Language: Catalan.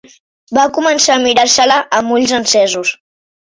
Va començar a mirar-se-la amb ulls encesos